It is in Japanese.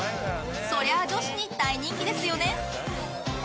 そりゃあ女子に大人気ですよね。